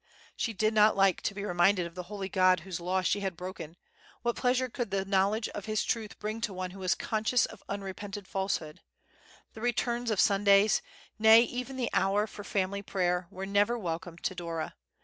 She did not like to be reminded of the holy God whose law she had broken—what pleasure could the knowledge of His truth bring to one who was conscious of unrepented falsehood! The returns of Sundays, nay, even the hour for family prayer, were never welcome to Dora.